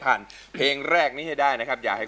สมาธิพร้อมเพลงพร้อมร้องได้ให้ล้านเพลงที่๑เพลงมาครับ